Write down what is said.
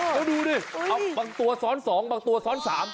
แล้วดูดิเอาบางตัวซ้อน๒บางตัวซ้อน๓